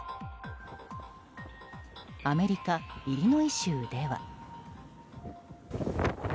アメリカ・イリノイ州では。